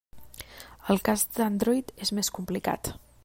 En el cas d'Android és més complicat.